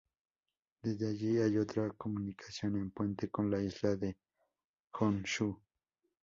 Desde allí, hay otra comunicación en puente con la isla de Honshū.